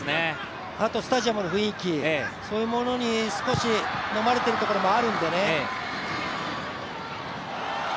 スタジアムの雰囲気、そういうものに少しのまれているところもあるんでね。